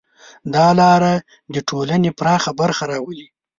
دا لاره د ټولنې پراخه برخه راولي.